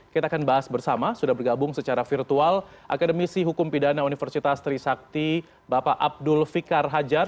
kita akan bahas bersama sudah bergabung secara virtual akademisi hukum pidana universitas trisakti bapak abdul fikar hajar